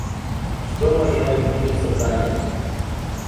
Что моя любимица Таня?